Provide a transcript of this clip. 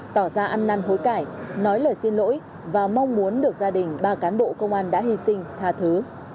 tỏ ra ăn năn hối cải nói lời xin lỗi và mong muốn được gia đình ba cán bộ công an đã hy sinh thà thứ